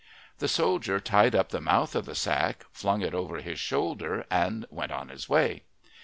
The soldier tied up the mouth of the sack, flung it over his shoulder and went on his way.